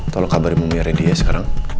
tolong kabarin mamanya randy ya sekarang